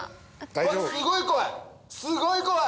うわすごい怖い！